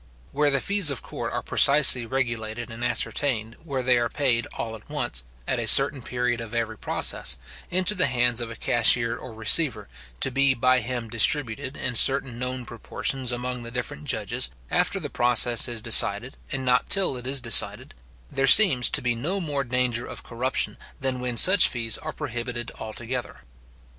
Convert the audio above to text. Where the fees of court are precisely regulated and ascertained where they are paid all at once, at a certain period of every process, into the hands of a cashier or receiver, to be by him distributed in certain known proportions among the different judges after the process is decided and not till it is decided; there seems to be no more danger of corruption than when such fees are prohibited altogether.